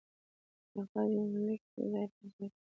په خپل يونليک کې ځاى په ځاى کړي